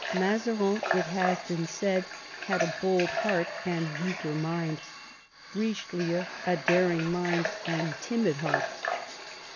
" Mazarin," it has been said, " had a bold heart and weaker mind ; Eichelieu a daring mind and timid heart."